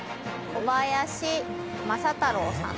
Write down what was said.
小林政太郎さん？